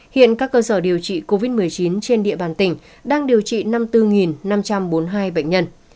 hiện các cơ sở điều trị covid một mươi chín trên địa bàn tỉnh đang điều trị năm mươi bốn năm trăm bốn mươi hai bệnh nhân